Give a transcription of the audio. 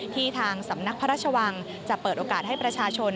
ทางสำนักพระราชวังจะเปิดโอกาสให้ประชาชน